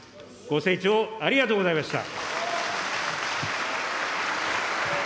ご清聴ありがとうございました。